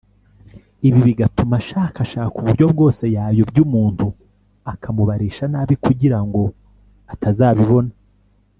ibi bigatuma ashakashaka uburyo bwose yayobya umuntu akamubarisha nabi kugira ngo atazabibona